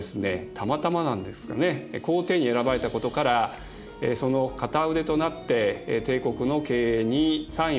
たまたまなんですよね皇帝に選ばれたことからその片腕となって帝国の経営に参与したということです。